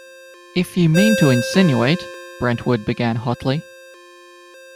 If you mean to insinuate -- Brentwood began hotly.